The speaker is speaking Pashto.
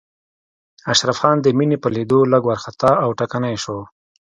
اشرف خان د مينې په ليدو لږ وارخطا او ټکنی شو.